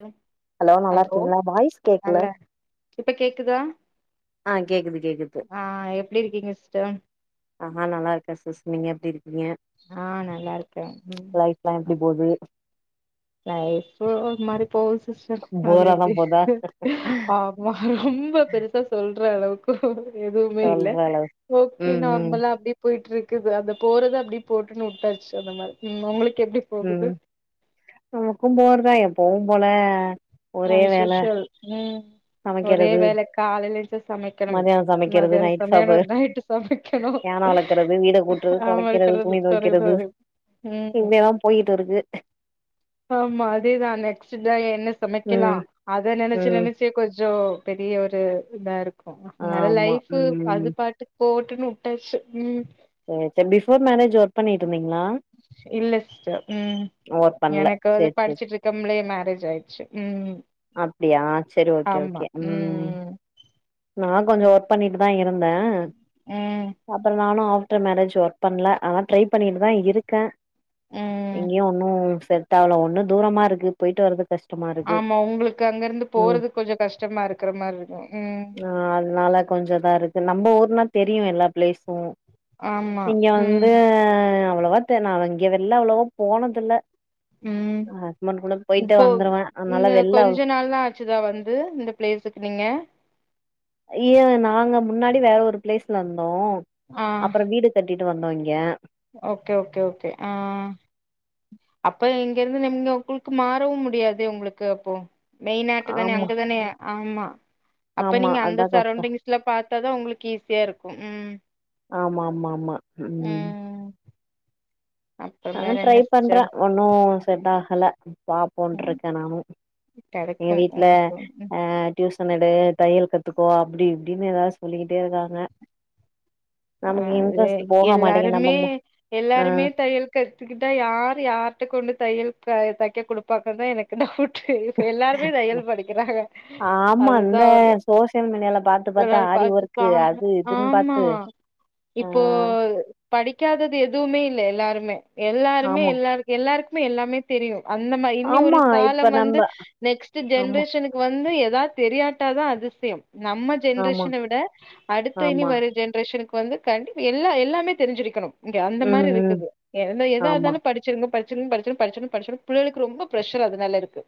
ம் ஹலோ நல்லா இருக்கீங்ளா வாய்ஸ் கேக்ல இப்ப கேக்குதா ஆ கேக்குது கேக்குது ஆ எப்டி இருக்கீங்க சிஸ்டர் அ ஆ நா நல்லா இருக்கே சிஸ் நீங்க எப்டி இருக்கீங்க ஆ நல்லா இருக்கே லைஃப் லா எப்டி போது லைஃப்பு ஒரு மாரி போது சிஸ்டர் அது போரா தா அப்டி போதா அ ரொம்ப பெருசா சொல்ற அளவுக் எதுவுமே இல்ல சொல்ற அளவு ஓகே ம் ம் நார்மலா அப்டியே போய்ட்டு இருக்குது அத போறத அப்டியே போட்டுன்னு வுட்டாச்சு அந்த மாரி ம் உங்களுக்கு எப்டி போகுது ம் நமக்கு போரதா எப்பொவு போல ஒரே வேல ஆஸ்யூஸ்வல் ம் ஒரே சமைக்கிறது வேல காலேல்ல எச்சு சமெக்கணு மதியானோ சமைக்கிறது மத்யானோ நைட் சமயலு சாப்பு நைட்டு சமக்கெணு யான வளக்கறது வீட கூட்றது ஆமா [unintelligible] இன்மேதா போய்கிட் இருக்கு ஆமா அதேதா நெக்ஸ்டு தா என்ன சம க்கெலா ம் அத நனச்சு ம் நனச்சே கொஞ்சோ பெரிய ஒரு இதா இரு நல்ல ஆமா லைஃப்பு ம் அது பாட்டுக்கு போவட்டுன்னு வுட்டாச்சு ம் சேர் சேரி பிஃபோர் மேரேஜு வர்க் பண்ணிட்டு இருந்தீங்களா இல்ல சிஸ்டர் ம் ஒர்க் பண்ல எனக்காது சேரி சேரி படிச்சிட்டு இருக்கம்பளே மேரேஜ் ஆய்ருச்சு ம் அப்டியா சேரி ஆமா ஓகே ஓகே ம் ம் நா கொஞ்சோ ஒர்க் பண்ணிட்டு தா இருந்த ம் அப்பறோ நானு ஆ ஆஃப்டர் மேரேஜ் வர்க் பண்ல ஆனா ட்ரை பண்ணிட்டு தா இருக்கே ம் ம் எங்கயு ஒன்னு செட் டாவுல ஒன்னு தூரமா இருக்கு போய்ட்டு வரதுக்கஷ் ஆமா உங்களுக்கு அங்க இருந்து போறது கொஞ்சோ கஷ்டமா இருக்கற மாரி இருக்கு ம் ஆ அத்னால கொஞ்சோ இதா இருக்கு நம்ம ஊர்னா தெரியு எல்லா ப்ளேஸூ ஆமா. இங்க ம். வந்து அவ்ளொவா தெர் நா இங்க வெள்ல அவ்ளொவோ போனதில்ல ம். ஹஸ்பண்ட் கூட போய்ட்டே வந்துருவ அத்னால வெள்ல அவ் ஷிரா வந்து இந்த ப்ளேஸுக்கு நீங்க அய்ய நாங்க முன்னாடி வேற ஒரு ப்ளேஸ்ல இருந்தோ ஆ. அப்பறொ வீடு கட்டிட்டு வந்தோ இங்க ஓகே ஓகே ஓகே ஆ அப்ப இங்க இருந்து நிம்க உங்களுக்கு மாறவு முடியாது உங்களுக்கு அப்போ மெய்ன் ஆட்டு தானே ஆமா அங்கதானே ஆமா அப்ப ஆமா நீங்க அதா அந்த கஷ்டோ சரௌண்டிங்ஸ் ல்ல பாத்தாதா உங்களுக்கு ஈஸியா இருக்கு ம் ஆமா ஆமா ஆமா ம் அப்றம் ஆனா வேற ட்ரை என்ன பண்றே சிஸ்டர் ஒன்னு செட் ஆகல பாப்போ ம். போண்ருக்கே நானு ஏ கெடைக்கும் வீட்ல உங்களுக்கு. அ டியூசன் எடு தையல் கத்துக்கோ அப்பிடி இப்பிடின்னு எதாவது சொல்லிக்கிட்டே இருக்காங்க அ நமக்கு எ இன்ட்ரெஸ்ட் போக மாட்டேங்குது நம்ம எல்லாருமே மு ஆ எல்லாருமே தையல் கத்துக்கிட்டா யாரு யார்ட்ட கொண்டு தையல் தெக்க குடுப்பாங்கன்னு தா எனக்கு டவுட்டு இப்ப எல்லாருமே தையல் படிக்கிறாங்க ஆமா அதுதா இந்த ஒரு சோசியல் மீடியால பாத்து கொஞ்ச பாத்து நாள் ஆரி ஒர்க்கு பாத்துப்பாங்க அது இதுன்னு ஆமா பாத்து ஆ இப்போ படிக்காததது எதுவுமே இல்லே எல்லாருமே எல்லாருமே ஆமா எல்லா எல்லாருக்குமே எல்லாமே தெரியு அந்த மாரி இன்னி ஒரு ஆமா இப்ப காலம் நம்ப வந்து நெக்ஸ்ட் ஆமா ஜென்ரேஷனு வந்து எதாவ்து தெரியாட்டாதா அதிசயோ நம்ம ஆமா ஜென்ரேஷன விட அடுத்த இனி ஆமா வர ஜெனரேஷனுக்கு வந்து கண்டி எல்லா எல்லாமே தெரிஞ்சிருக்கணோ இங்க அந்த ம் மாரி ம் இருக்குது என்ன ஆமா எதாருந்தாலு படி ச்சிருங்க படிச்சிரு படிச்சிரு படிச்சிரு படிச்சிரு புள்ளைகளுக்கு ரொம்போ பிரஷரா அதனால இருக்கு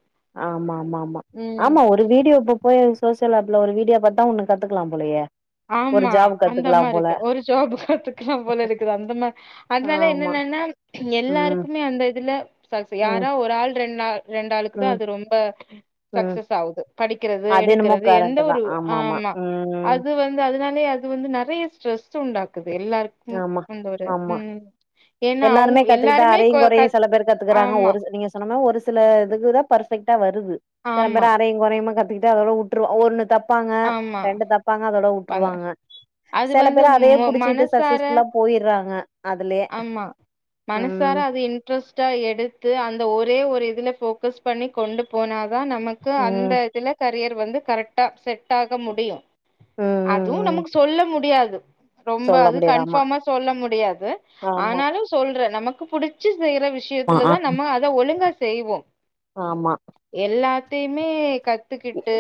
ஆமா ஆமா ஆமா ம். ஆமா ஒரு வீடியோ புக் போய் அங்க சோசியல் ஆப்ல ஒரு வீடியோ பாத்தா ஒன்னு கத்துக்கலா போலயே ஒரு ஆமா ஜாப் அந்த கத்துக்கலாம் போல மாரிக்கு ஒரு ஜோப் கத்துக்கல்லா போல இருக்கு அந்த மா அதனால ஆமா என்னன்னன்னா ம் எல்லாருக்குமே அந்த இதுல சல்சி ம் யாரோ ஒரு ஆள் ரெண்டு ஆள் ரெண்டாளுக்கு தா ம் அது ரொம்ப ம் சக்சஸ் ஆவுது படிக்கறது எடுக்கறது எந்த ஒரு ஆமா உம் அது வந்து அதனாலயே அது வந்து நெறைய ஸ்ட்ரெஸ் உண்டாக்குது எல்லாருக் ஆமா ஆமா ஏன்னா எல்லாருமே அவங்க கத்துக்கிட்டா எல்லாருமே அரையு கொ க கொறையு செல பேரு கத்துக்கறாங்க ஆமா ஒரு சில நீங்க சொன்ன மாரி ஒரு சிலருக்கு தா பர்ஃபெக்டா வருது செல பேரு ஆமா அரையு கொறையுமா கத்துக்கிட்டு அதோட உ ட்று ஒன்னு தப்பாங்க ஆமா ரெண்டு தப் பாங்க அதோட பாங்க உட்ருவாங்க அது செல வந்து பேரு அதையே மொ புடிச்சிட்டு சக் மனசார ஃபீஸ் ஃபுல்லா போயிர்றாங்க அதுலயே ம் இன்ட்ரஸ்ட்டா எடுத்து அந்த ஒரே ஒரு இதுல ஃபோக்கஸ் பண்ணி கொண்டு போனாதா நமக்கு அந்த ம் இதுல கரியர் வந்து கரெக்டா செட் ஆக முடியு ம் ம் அதுவு ம் நமக்கு சொல்ல முடியாது ரொம்ப சொல்ல அது முடியாது ஆமா கன்ஃபார்மா சொல்ல முடியாது ஆமா ஆனாலு சொல்ற நமக்கு புடிச்சு செய்ற விஷ் விஷயத்துல ஆமா தா நம்மோ அத ஒழுங்கா செய்வோ ஆமா எல்லாத்தையுமே கத்துக்கிட்டு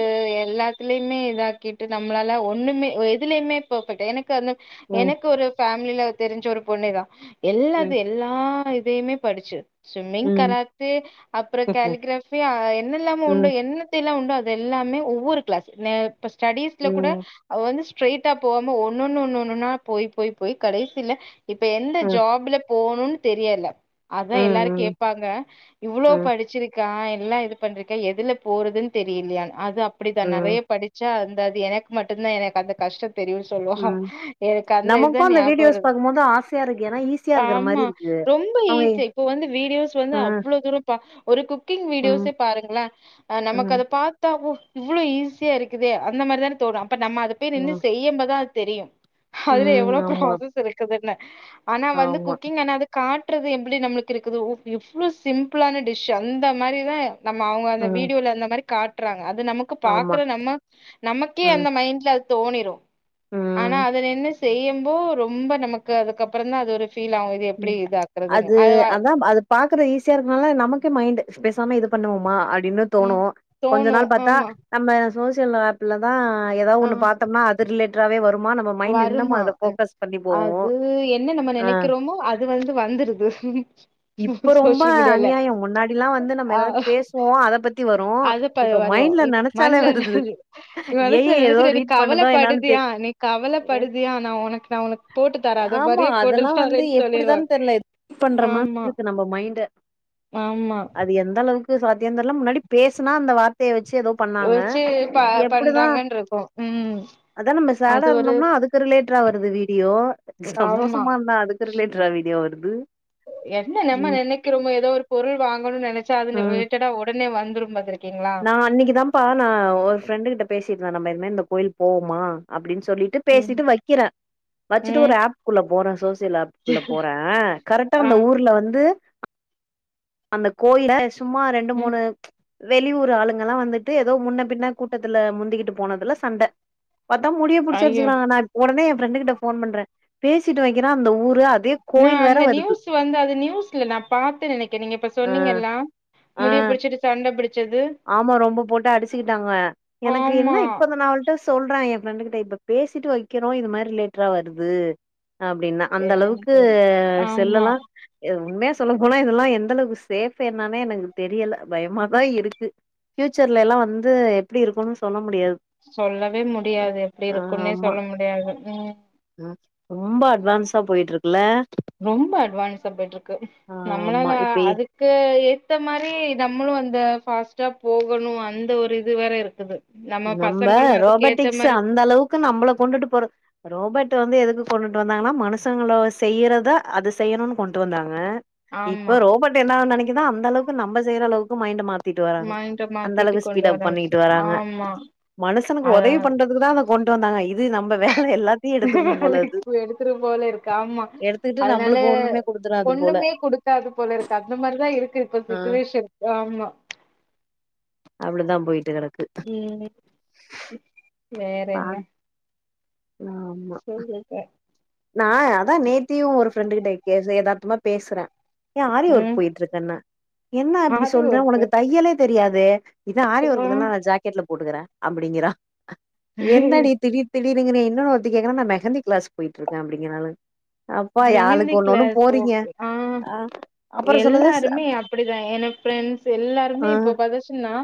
எல்லாத்துலயுமே இதாக்கிட்டு நம்மளால ஒ ண்ணுமே எதுலயுமே பர்ஃபெக்ட் எனக்கு அதுல ம் எனக்கு ஒரு ஃபேமிலல தெரிஞ்ச ஒரு பொண்ணுதா எல்லா ம் இது எல்லா இதையுமே படிச்சு ஸ்விம்மிங் ம் கராத்தே அப்புறோ கேலிகிராஃபி அ என்ன எல்லாமோ உண்டோ ம் என்ன டி எல்லா உண்டோ அது எல்லாமே ஒவ்வோரு கிளாஸ் இப்ப ஸ்டடிஸ்ல கூட ம் அவ வந்து ஸ்ட்ரைட்டா போகாம ஒன்னு ஒன்னு ஒன்னு ஒன்னு நா போய் போய் போய் கடைசியில இப்ப எந்த ம் ஜாப்ல போணோனு தெரியல அதா ம் எல்லாரு ம் கேப்பாங்க இவ்ளோ ம் படிச்சிரு க்கா எல்லா இது பண்ணிருக்க எதுல போறதுன்னு தெரியலையா அது அப்புடிதான் ம் நறைய படிச் சா அந்த அது எனக்கு மட்டுந்தா எனக்கு அந்த கஷ்டோ தெரியு சொல்லுவா ம் எனக்கு அந்த நமக்கு இதுதா ஞாபகோ வீடியோஸ் வருது பாக்கும்போது ஆசையா இருக்கு ஏன்னா ஈஸியா இருக்கிற மாரி ஆமா இருக்கு ரொம்ப அவங்க ஈஸி இப்போ வந்து வீடியோஸ் வந்து ஆ அவ்வளோ தூரோ ப ஒரு குக்கிங் ம் வீடியோஸே பாருங்களே அ நமக்கு ம் அத பாத்தாவோ இவ்வளோ ஈஸியா இருக்குதே அந்த மாதிரிதானே தோணோ அப்ப நம்ம அத பேயி நின்னு ம் செய்யும்பதா அது தெரிய அதுல ம் எவ்வளவு ஆமா ப்ராசஸ் இருக்குதுன்னு ஆனா வந்து ஆமா குக்கிங் ஆனா அதுக்கு காட்றது எப்டி நம்மளுக்கு இருக்குது எவ்ளோ சிம்பிளான டிஷ்ஷு அந்த மாதிரிதா நம்ம அவங்க அந்த ம் வீடியோல அந்த மாதிரி காட்டுறாங்க அது நமக்கு ஆமா பாக்குற நம்ம நமக்கே ம் அந்த மைண்ட்ல அது தோணிரோ ஆனா ம் அது நின்னு செய்யும்போ ரொம்ப நமக்கு அதுக்கப்புறோ தா அது ஒரு ஃபீல் ஆவோ ம் அது அதா பா அது பாக்குற ஈஸியா இருக்கனால நமக்கே மைண்டு பேசாம இது பண்ணுவோமா அப்டீன்னு தோணோ ம் கொஞ்ச தோணு நாள் பாத்தா ஆமா நம்ம சோசியல் ஆப்ல தா எதாவது ஆ ஒண்ணு பாத்தோம்னா அது ரிலேட்டடாவே வருமா நம்ம மைண்ட் இன்னமு வருமா அதுல அந் ஃபோக்கஸ் பண்ணி போவு அது என்ன நம்ம ஆ நெனைக்கிறோமோ அது அது வந்து வந்துருது இப்ப ரொம்ப சோசியல் மீடியால அநியாயம் முன்னாடி எல்லா வந்து நம்ம ஆ எதாவது பேசுவோ அத பத்தி வரு இப்ப மைண்ட்ல நெனை மண்லனாலு நீ மனசு ஏதோ நினைச்ச நீ ரீட் பண்ணுதோ என்னான்னு கவலைப்படுதுயா தெரி நீ கவலைபடுதியா நா உனக்கு நா உனக்கு போட்டு தரே அத மாறியே போட்டு தரேன் அது எப்படிதான் தெரியல பண்ற மாதிரி இருக்கு நம்ம மைண்ட ஆமா அது எந்த அளவுக்கு சாத்தியன் தெர்ல முன்னாடி பேசுனா அந்த வார்த்தைய வெச்சு எதோ வச்சு ப பண்றாங்கன் இருக்கு ம் அதா நம்ம சாடா அது ஒரு இருந்தோம்னா அதுக்கு ரிலேட்டா வருது வீடியோ ஆமா சந்தோஷமா இருந்தா அதுக்கு ரிலேட்டரா வீடியோ வருது என்ன நம்ம ம் நினைக்கிறோமோ எதோ ஒரு பொருள் வாங்கணு நெனை ச்சாலு ம் ரிலேட்டா உடனே வந்துரும் பாத்துருக்கீங்களா நா அன்னைக்கு தா ப்பா நா ஒரு ஃப்ரெண்டு கிட்ட பேசிட்டுந்தே நம்ம எதுமே இந்த கோயில் போவோமா அப்படின்னு சொல்லி ட்டு ம் பேசிட்டு வைக்கிறே வச்சுட்டு ஒரு ம் ஆப்க்குள்ள போறே சோசியல் ஆப்க்குள்ள போறே கரெக்டா ஆ அந்த ஊர்ல வந்து அந்த கோயில சும்மா ரெண்டு ம் மூணு வெளியூர் ஆளுங்கல்லா வந்துட்டு எதோ முன்ன பின்ன கூட்டத்துல முந்திகிட்டு போனதுல சண்டை பாத்தா முடிய புடிச்சு ஐயோ அடிச்சுக்குறாங்க நா உடனே என் ஃப்ரெண்டு கிட்ட ஃபோன் பண்றே பேசிட்டு வைக்கிறே அந்த ஊரு அது நா அந்த நியூஸ் வந்து அது நியூஸ்ல நா பா்த்தே நினைக்கே நீங்க இப்ப ஆ சொன்னீங்கல்ல ஆ முடிய பிடிச்சிட்டு சண்டை பிடிச்சது ஆமா ரொம்ப போட்டு அடிச்சிக்கிட்டாங்க எனக்கு ஆமா என்ன இப்ப இந்த நாள் சொல்றே என் ஃப்ரெண்டு கிட்ட இப்ப பேசிட்டு வைக்கிறோ இது மாதிரி ரிலேட்ரா வருது அப்படின்னா அந்த என்னன்னு அளவுக்கு தெரில ஆமா செல்லலா உண்மைய சொல்ல போனா இதெல்லா எந்த அளவுக்கு சேஃப் என்னானே எனக்கு தெரியல பயமாதா இருக்கு ஃபியூச்சர்ல எல்லா வந்து எப்டி இருக்குனு சொல்ல முடியாது சொல்லவே முடியாது எப்டி ஆ இருக்கும்ன்னே ஆமா. சொல்ல முடியாது ம் ம் ரொம்ப அட்வான்ஸா போயிட்டு இருக்குல ரொம்ப அட்வான்ஸ்ஸா போயிட்டு இருக்கு ஆமா நம்மளால இப்பயே அது க்கு ஏத்த மாரி நம்மளு அந்த ஃபாஸ்ட்டா போகணு அந்த ஒரு இது வேற இருக்குது நம்ம பசங்களு அதுக்கு ஏத்த ரோபோட்டிக்ஸ் மாரி அந்த அளவுக்கு நம்மள கொண்டுட்டு போற ரோபட் வந்து எதுக்கு கொண்டுட்டு வந்தாங்கன்னா மனுஷங்களள செய்யறத அது செய்யணுனு கொண்டுட்டு வந்தாங்க ஆமா இப்ப ரோபர்ட் என்னா நினைக்குதா அந்த அளவுக்கு நம்ம செய்ற அளவுக்கு மைண்ட மா த்திட்டு வராங்க மைண்ட அந்த மாத்திட்டு அளவுக்கு கொண்டு ஸ்பீட் அப் பண்ணிட்டு வராங்க ஆமா மனுஷனுக்கு அத உதவி பண்றதுக்கு தா அதை கொண்டு வந்தாங்க இது நம்ம வேலை எல்லாத் வேலைக்கு எடுத்துட்டு போல இருக்க ஆமா எடுத்துக்கிட்டு அதனால நம்மளுக்கு ஒண்ணுமே குடுத்துறாது போல ஒண்ணுமே குடுக்காது போல இருக்கு அந்த மாரிதா இருக்கு இப்ப ஆ சிட்டுவேஷன் ஆமா அப்படிதா போயிட்டு கெடக்கு ம் வேற என்ன ஆம் சொல்லிட்டே நா அதா நேத்தியு ஒரு ஃப்ரெண்டுகிட்ட எதார்த்தமா பேசுறே என் ஆரி ஒர்க் ம் போயிட்டு இருக்கேன்னா என்ன அப்படி ஆரி சொல்ற ஒர்க்கு உனக்கு தையலே தெரியாதே இதா ஆரி ஆ ஒர்க்கு தானே நா ஜாக்கெட்ல போட்டுக்கிறே அப்படிங்கறா என்னடி திடீர் தீடிர்ன்னு நீ இன்னெருத்தி கேட்குற நா மெகந்தி கிளாஸ்க்கு போயிட்டுக்கே அப்டிங்கராலுங்க மெஹந்தி கிளாஸ் ஓ ஆ அப்புறம் சொல்லுது ச எல்லாருமே அப்டிதா எனக் பிரண்ட்ஸ் ஆ எல்லாருமே இப்போ பதச்சுன்னா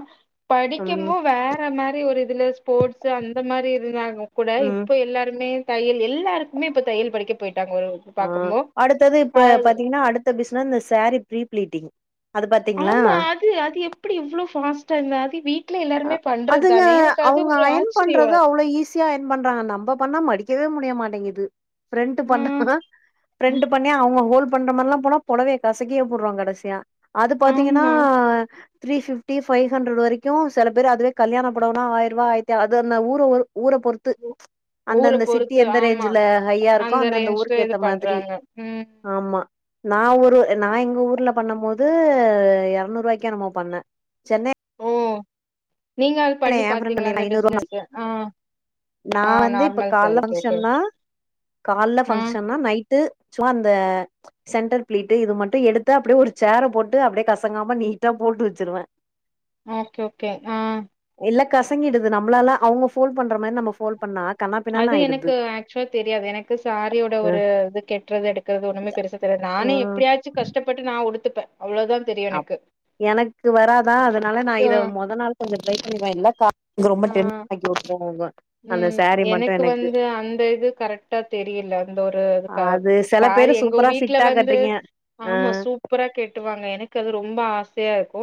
ம் படிக்கமோ வேற அ மாரி ஒரு இதுல ஸ்போர்ட்ஸ் அந்த மாரி இருந்தாங்க கூட ம் இப்ப எல்லாருமே தையல் எல்லாருக்குமே இப்ப தையல் படிக்க போயிட்டாங்க ஒரு ஆ பாக்கும்போ அடுத்தது இப்ப அது பாத்தீங்கன்னா அடுத் த பீசனஸ் இந்த சேரீ ப்ரீ பிளீட்டிங் அது பாத்தீங்களா ஆமா அது அது எப்டி இவ்ளோ பாஸ்ட்டா இருந்த அது வீட் ல அ எல்லாருமே பண்றது அதுங்க தானே எனக்கு அது ஒரு ஆச்சரியோ ஈசியா அயன் பண்றாங்க நம்ம பண்ணா மடிக்கவே முடியமாட்டேங்குது பிரெண்ட் ஆ பண்ண பிரெண்ட் பண்ணி அவுங்க ஹோல் பண்ற மாதிரல்லா போனா புடவைய கசகியா போடுவாங்க கடைசியா அது பாத்தீங்கன்னா ஆமா த்ரி பிவ்ட்டி வைவ் ஹன்டர்ட் வரைக்கு சில பேர் அதுவே கல்யாண புடவன்னா ஆயிரூபா ஆயிரத்தி அது அந்த ஊர் ஊர பொறுத் து ஊர அந்தந்த சிட்டி பொறுத்து எந்த ஆமா ரேஞ்ச்ல ஹையா இருக்கோ அந்த அந்தந்த ரேஞ்ச்ல ஊருக்கு இது ஏத்த மாதிரி பண்றாங்க ம் ஆமா நா ஒரு நா எங்க ஊர்ல பண்ண போது எறநூறு ரூவாய்க்கு என்னமோ பண்ணே சென்னை ஓ நீங்க அது பண்ணி என் ஃப்ரெண்ட் பாத்தீங்களா பண்ணிருக்கா அந்த ஐநூறுவா பிசினஸ் அ நா வந்து இப்ப கால்ல ஓகே பங்க்ஷன்னா கால்ல ஆ பங்க்ஷன்னா நைட்டு சும்மா அந்த சென்டர் பிளிட்டு இது மட்டு எடுத்து அப்டியே ஒரு சேர போட்டு அப்டியே கசங்காம நீட்டா போட்டு வச்சிருவே ஓகே ஓகே ஆ இல்ல கசங்கிடுது நம்மளால அவுங்க ஃபோல் பண்ற மாரி நம்ம ஃபோ பண்ணா கண்ணா அது எனக்கு ஆக்சுவால தெரியாது எனக்கு சாரியோட ஒரு இது கெட்டுறது எடுக்கது ஒண்ணுமே பெருசா தெரியாது நானே எப்டியாச்சு கஷ்டப்பட்டு நா உடுத்துப்பே அவ்ளோதா தெரியு அப் எனக்கு எனக்கு வராதா அதுனால நா ஆ இத முத நாள் கொஞ்சோ டிரை பண்ணவே இல்ல இங்க ரொம்ப ஆ டென் ஆக்கி விட்டுங்க ம் எனக்கு வந்து அந்த இது கரெக்டா தெரியல அந்த ஒரு அது சில பேரு சூப்பரா ஃபிட்டா கட்டுறீங்க அ ஆமா சூப்பரா கெட்டுவாங்க எனக்கு அது ரொம்ப ஆசையா இருக்கு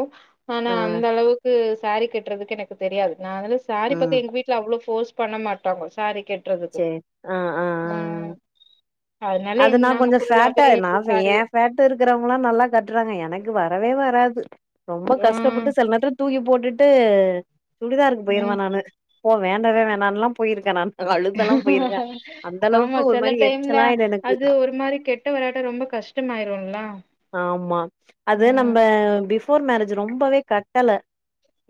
ஆனா ஆ அந்த அளவுக்கு சரி கட்டுறதுக்கு எனக்கு தெரியாது நா அதுல சரி ம் பக்கம் எங்க வீட்டுல அவ்ளவு போஸ் பண்ண மாட்டாங்க சரீ கெட் சேரி ஆ ஆ ஆ ஆ அதனால எங் அதுனா நாங்க கொஞ்ச ஃபேட்டா ஃபுல்லாவே இருந்த இந்த சாரி அப்பயே ஃபேட்டா இருக்கிறவங்களா நல்லா கட்டுறாங்க எனக்கு வரவே வராது ரொம்ப ஆ கஷ்டப்பட்டு சில நேரத்துல தூக்கி போட்டுட்டு சுடிதாருக்கு ம். போயிருவே நானு போ வேண்டவே வேண்டான் எல்லா போயிருக்கே நானு அழு ஆமா சில டைம்ல எரிச்சலாயிடு எனக்கு அது ஒரு மாரி கெட்ட வராட்டா ரொம்ப கஷ் டமாயிருல்ல ஆமா அது நம்ம பிவோர் மேரேஜ் ரொம்பவே கட்டல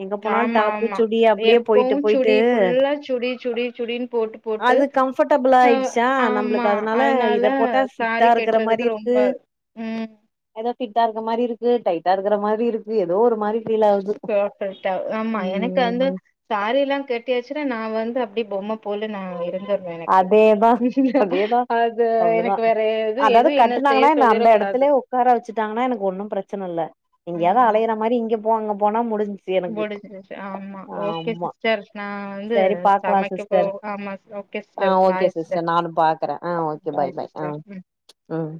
எங்க போனாலு ஆமா, டாப்பு ஆமா. சுடி அப்டியே போயிட்டு எப்பவும் சுடி போயிட்டு ஃபுல்லா சுடி சுடி சுடின் போட்டு போட்டு அது கம்ஃபர்ட்டபிளா அ ஆயிடுச்சா ஆமா நம்பளுக்கு அதுனால அதனால இத போட்டா சாரி ஃபிட்டா இருக்குற மாரி கெட்டுறதுக்கு ரொம்ப இருக்கு ம் ஏதோ ஃபிட்டா இருக்க மாரி இருக்கு டைட்டா இருக்குற மாரி இருக்கு ஏதோ ஒரு மாரி ஃபீல் ஆகுது [unintelligible] ஆமா எனக்கு அந்த ம் சாரியெல்லா கெட்டியாச்சுன்னா நா வந்து அப்டியே பொம்ம போல நா இருந்து வே எனக்கு அதேதா அதேதா அது அவ்ளோதா எனக்கு வேற இது எது என்ன செய் சொல்லிற கூடாது உக்காரா வச்சுட்டாங்கன்னா எனக்கு ஒன்னும் பிரச்சன இல்ல எங்கயாது ம் அலையற மாரி இங்கே போ அங்க போனா முடிஞ் முடிஞ்சிருச்சு ஆம்மா ஓகே சிஸ்டர் நா வந்து சரி பாக்கலா சமைக்க போ சிஸ்டர் ஆம்மா ஆ ஓகே சிஸ்டர் நானும் பாக்கறே ஆ ஓகே பைய் பாய் பைய் ஆ சிஸ்டர் ம் ம்